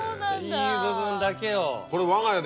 いい部分だけを。